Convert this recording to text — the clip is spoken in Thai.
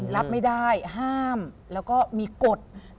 รับไม่ได้ห้ามแล้วก็มีกฎ